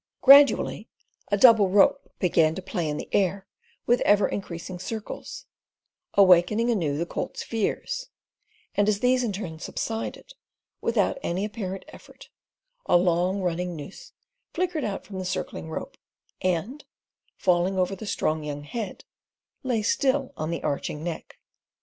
Gradually a double rope began to play in the air with ever increasing circles, awakening anew the colt's fears; and as these in turn subsided, without any apparent effort a long running noose flickered out from the circling rope, and, falling over the strong young head, lay still on the arching neck.